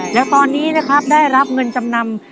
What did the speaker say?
แล้วตอนนี้นะครับได้รับเงินจำนำ